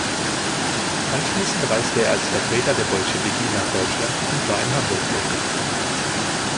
Anschließend reiste er als Vertreter der Bolschewiki nach Deutschland und war in Hamburg tätig.